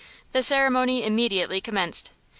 The ceremony immediately commenced.